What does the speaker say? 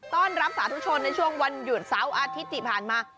ต้อนรับสาธุชนในช่วงวันหยุดเสาร์อาทิตย์ที่ผ่านมา